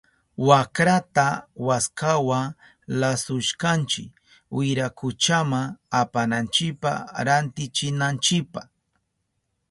Wakrata waskawa lasushkanchi wirakuchama apananchipa rantichinanchipa.